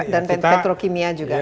dan petro kimia juga kan ya